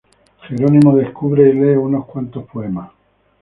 Jerónimo descubre y lee unos cuantos poemas.